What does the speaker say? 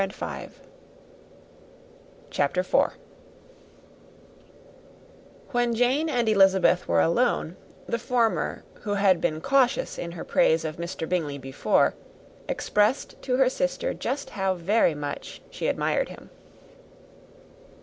When Jane and Elizabeth were alone, the former, who had been cautious in her praise of Mr. Bingley before, expressed to her sister how very much she admired him.